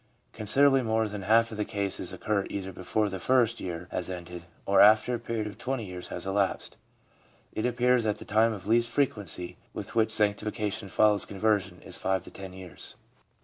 Considerably more than half of the cases occur either before the first year has ended, or after a period of twenty years has elapsed. It appears that the time of least frequency with which sanctification follows conversion is five to ten years.